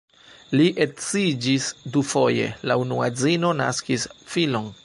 Li edziĝis dufoje, la unua edzino naskis filon.